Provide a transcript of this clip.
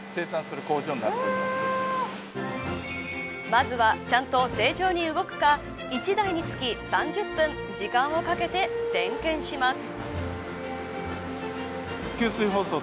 まずは、ちゃんと正常に動くか１台につき３０分、時間をかけて点検します。